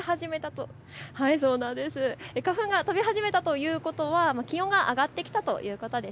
花粉が飛び始めたということは気温が上がってきたということです。